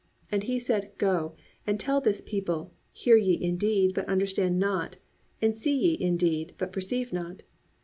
And he said, go, and tell this people, hear ye indeed, but understand not; and see ye indeed, but perceive not.